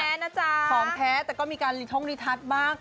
ขอบคุณแท้นะจ๊ะขอบคุณแท้แต่ก็มีการทรงริทัศน์มาก